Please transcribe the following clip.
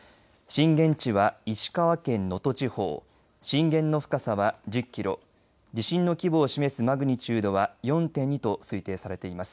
震源地は石川県能登地方震源の深さは１０キロ地震の規模を示すマグニチュードは４．２と推定されています。